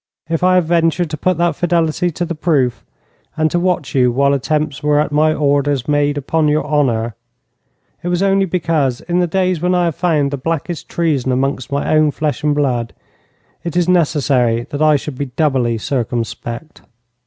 If I have ventured to put that fidelity to the proof, and to watch you while attempts were at my orders made upon your honour, it was only because, in the days when I have found the blackest treason amongst my own flesh and blood, it is necessary that I should be doubly circumspect.